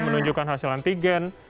menunjukkan hasil antigen